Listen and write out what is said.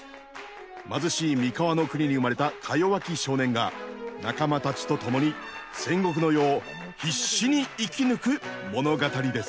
貧しい三河の国に生まれたかよわき少年が仲間たちと共に戦国の世を必死に生き抜く物語です。